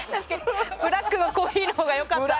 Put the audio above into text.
ブラックのコーヒーのほうが良かった。